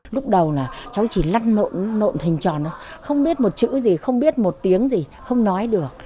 lúc đầu là cháu chỉ lăn nộn nộn hình tròn thôi không biết một chữ gì không biết một tiếng gì không nói được